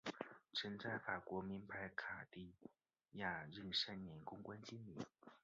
曾在法国名牌卡地亚任三年公关经理。